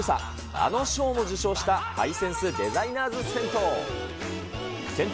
あの賞も受賞したハイセンスデザイナーズ銭湯。